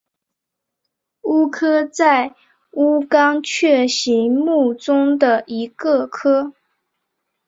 鸦科在是鸟纲雀形目中的一个科。